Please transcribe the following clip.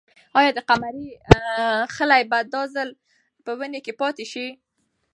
آیا د قمرۍ خلی به دا ځل په ونې کې پاتې شي؟